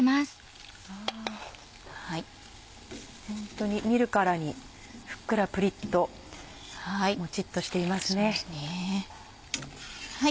本当に見るからにふっくらプリっとモチっとしていますね。